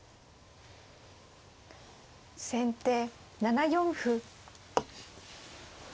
先手７四歩。